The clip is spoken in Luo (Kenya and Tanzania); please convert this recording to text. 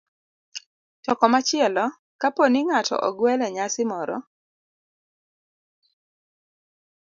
To komachielo, kapo ni ng'ato ogweli e nyasi moro,